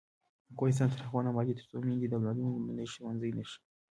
افغانستان تر هغو نه ابادیږي، ترڅو میندې د اولادونو لومړنی ښوونځی نشي.